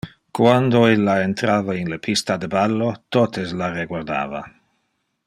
Quando illa entrava in le pista de ballo totes la reguardava.